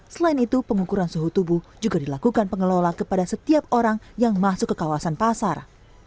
selain itu pengukuran suhu tubuh juga dilakukan pengelola kepada setiap orang yang masuk ke kawasan pasar